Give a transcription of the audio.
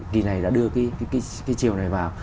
kỳ này đã đưa cái chiều này vào